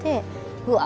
うわ